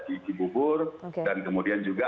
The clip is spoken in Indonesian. di cibubur dan kemudian juga